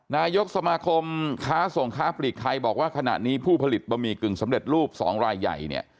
นายกสมาคมค้าส่งค้าปลีกไทยบอกว่าขณะนี้ผู้ผลิตบะหมี่กึ่งสำเร็จรูป๒รายใหญ่เนี่ย